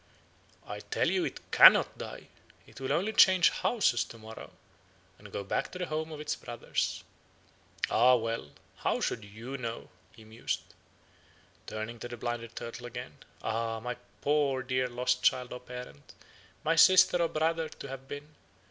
"'I tell you it cannot die; it will only change houses to morrow, and go back to the home of its brothers. Ah, well! How should you know?' he mused. Turning to the blinded turtle again: 'Ah! my poor dear lost child or parent, my sister or brother to have been!